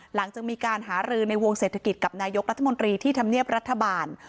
หลังจากมีการหารือในวงเศรษฐกิจกับนายกรัฐมนตรีที่ทำเนียบรัฐบาล